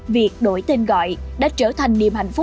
việc đổi tên gọi đã trở thành niềm hạnh phúc